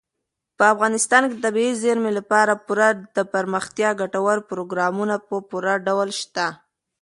افغانستان کې د طبیعي زیرمې لپاره پوره دپرمختیا ګټور پروګرامونه په پوره ډول شته.